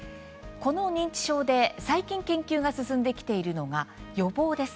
この認知症で最近、研究が進んできているのが予防です。